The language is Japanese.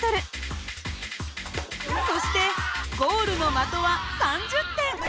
そしてゴールの的は３０点。